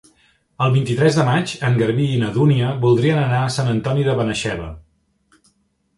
El vint-i-tres de maig en Garbí i na Dúnia voldrien anar a Sant Antoni de Benaixeve.